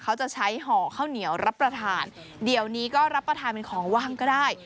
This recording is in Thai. เขาจะใช้ห่อข้าวเหนียวรับประทานเดี๋ยวนี้ก็รับประทานเป็นของว่างก็ได้